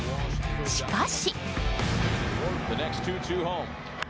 しかし。